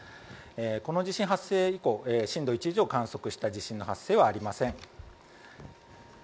この地震発生以降震度１以上を観測した地震の発生はありません。